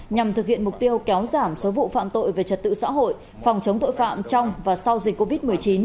nhằm thực hiện mục tiêu kéo giảm số vụ phạm tội về trật tự xã hội phòng chống tội phạm trong và sau dịch covid một mươi chín